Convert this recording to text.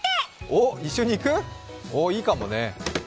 おっ、一緒に行く？いいかもね。